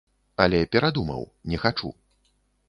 Але перадумаў, не хачу.